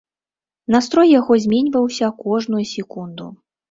Настрой яго зменьваўся кожную секунду.